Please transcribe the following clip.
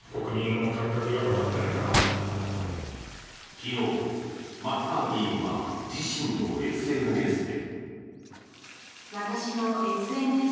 昨日、松川議員は自身のＳＮＳで。